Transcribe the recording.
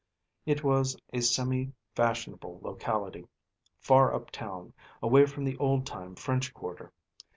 It was a semi fashionable locality, far up town, away from the old time French quarter.